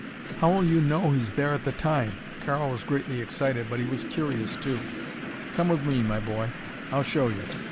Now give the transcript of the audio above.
"How'll you know he's there at the time?" Karl was greatly excited, but he was curious too. "Come with me, my boy. I'll show you."